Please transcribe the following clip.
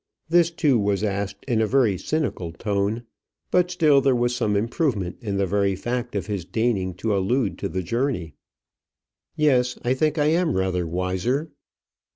This, too, was asked in a very cynical tone, but still there was some improvement in the very fact of his deigning to allude to the journey. "Yes, I think I am rather wiser."